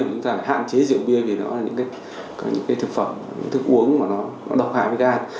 chúng ta phải hạn chế rượu bia vì nó là những cái thực phẩm những thức uống mà nó độc hại với gan